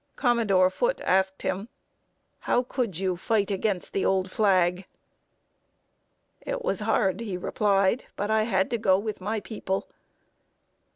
Commodore Foote asked him: "How could you fight against the old flag?" "It was hard," he replied, "but I had to go with my people."